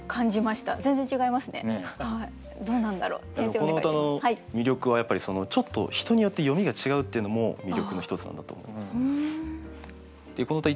この歌の魅力はやっぱりちょっと人によって読みが違うっていうのも魅力の一つなんだと思います。